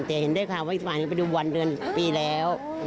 แต่เห็นได้ข่าวว่าอีกฝ่ายหนึ่งไปดูวันเดือนปีแล้ว